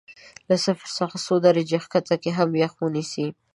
له صفر څخه څو درجې ښکته کې هم یخ ونه نیسي.